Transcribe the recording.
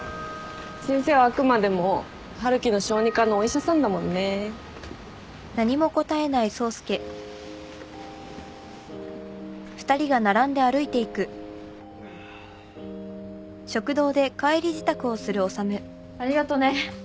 先生はあくまでも春樹の小児科のお医者さんだもんね。ありがとね。